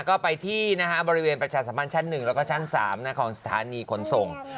ก็ไปที่บริเวณประชาสัมพันธ์ชั้น๑แล้วก็ชั้น๓ของสถานีขนส่ง